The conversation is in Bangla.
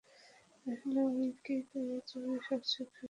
আসলে ঐ কিক আমার জীবনের সবচেয়ে খারাপ কিক ছিল!